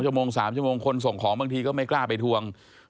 ชั่วโมง๓ชั่วโมงคนส่งของบางทีก็ไม่กล้าไปทวง